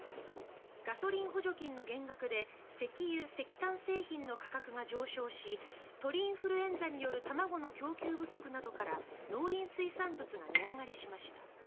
ガソリン補助金の減額で石油・石炭製品の価格が上昇し鳥インフルエンザによる卵の供給不足などから農林水産物が値上がりしました。